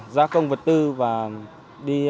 gia công vật tư và đi